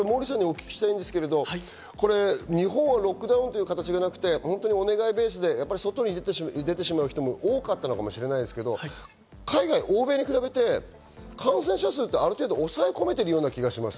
モーリーさん、日本はロックダウンという形ではなく、お願いベースで、外に出てしまう人も多かったかもしれないですけど、海外、欧米に比べて、感染者数ってある程度抑え込めている気がします。